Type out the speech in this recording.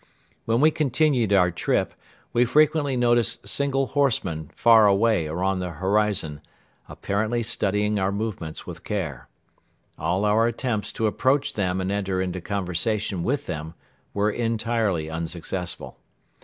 When we continued our trip, we frequently noticed single horsemen far away or on the horizon, apparently studying our movements with care. All our attempts to approach them and enter into conversation with them were entirely unsuccessful.